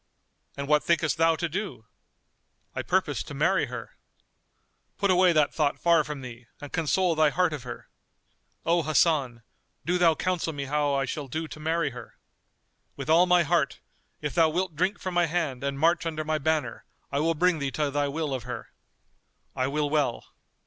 "And what thinkest thou to do?" "I purpose to marry her." "Put away that thought far from thee, and console thy heart of her." "O Hasan, do thou counsel me how I shall do to marry her." "With all my heart: if thou wilt drink from my hand and march under my banner, I will bring thee to thy will of her." "I will well."